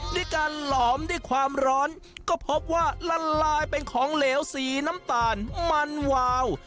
ด้วยการหลอมด้วยความร้อนก็พบว่าละลายเป็นของเหลวสีน้ำตาลมันวาว